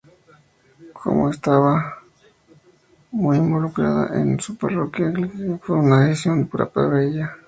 Como estaba muy involucrada en su parroquia anglicana, fue una decisión dura para ella.